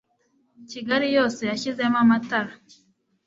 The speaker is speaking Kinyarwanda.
kigali yose bashyizemo amatara